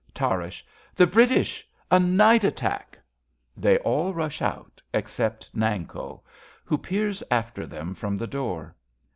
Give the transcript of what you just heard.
Tarrasch. The British ! A night attack ! {They all I'ush out except Nanko, who peers after them from the door.